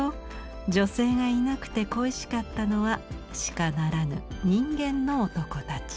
女性がいなくて恋しかったのは鹿ならぬ人間の男たち。